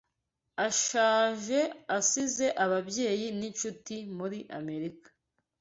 Ashaje asize ababyeyi n’inshuti muri Amerika